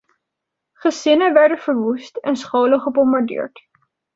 Gezinnen werden verwoest en scholen gebombardeerd.